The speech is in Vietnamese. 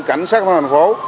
cảnh sát thành phố